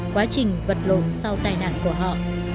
quá trình vật lộn sau tai nạn của họ